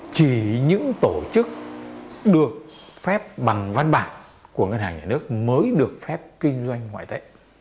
chỉ những tổ chức được phép bằng văn bản của ngân hàng nhà nước mới được phép kinh doanh ngoại tệ